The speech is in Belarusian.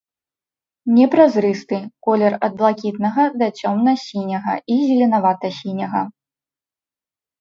Непразрысты, колер ад блакітнага да цёмна-сіняга і зеленавата-сіняга.